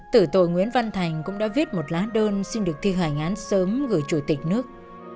tử tội nguyễn văn thành cũng đã viết một lá đơn xin được thi hành án sớm gửi chủ tịch nước